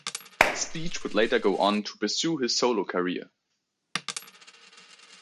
Speech would later go on to pursue his solo career.